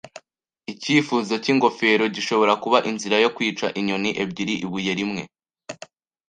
icyifuzo cyingofero gishobora kuba inzira yo kwica inyoni ebyiri ibuye rimwe,